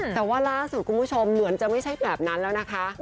แต่ว่าล่าสุดคุณผู้ชมเหมือนจะไม่ใช่แบบนั้นแล้วนะคะ